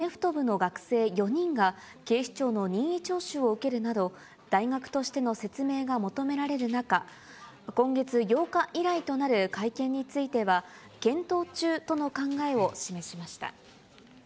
ちょっと今、それは検討中で北畠被告とは別に、新たにアメフト部の学生４人が、警視庁の任意聴取を受けるなど、大学としての説明が求められる中、今月８日以来となる会見については、検討中との考えを示しました。